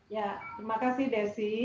ya terima kasih desi